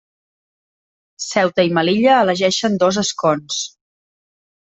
Ceuta i Melilla elegeixen dos escons.